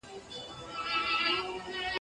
يوې خواته پاڼ دئ، بلي خواته پړانگ دئ